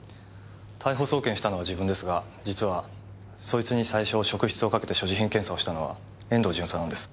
逮捕送検したのは自分ですが実はそいつに最初職質をかけて所持品検査をしたのは遠藤巡査なんです。